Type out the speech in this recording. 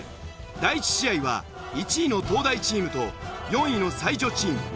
第１試合は１位の東大チームと４位の才女チーム。